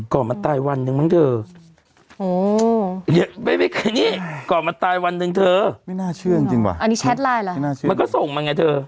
ก่อนมันตายวันหนึ่งมั้งเธอ